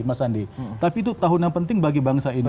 mas andi tapi itu tahun yang penting bagi bangsa ini